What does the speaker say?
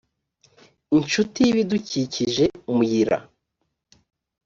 inshuti y ibidukikije muyira